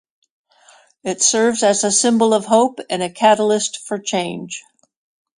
It serves as a symbol of hope and a catalyst for change.